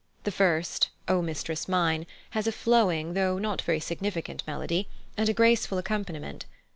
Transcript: The first, "O mistress mine," has a flowing though not very significant melody, and a graceful accompaniment.